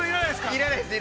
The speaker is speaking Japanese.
◆要らないです。